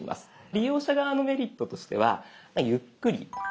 利用者側のメリットとしてはゆっくり選べるぞとか。